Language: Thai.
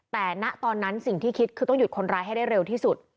แต่ณตอนนั้นสิ่งที่คิดคือต้องหยุดคนร้ายให้ได้เร็วที่สุด